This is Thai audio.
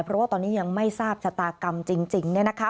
เพราะว่าตอนนี้ยังไม่ทราบชะตากรรมจริงเนี่ยนะคะ